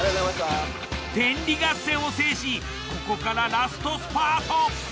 天理合戦を制しここからラストスパート。